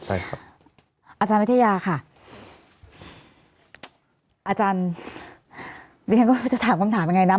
อาจารย์วัฒนาวิทยาค่ะอาจารย์เรียกว่าจะถามคำถามยังไงนะ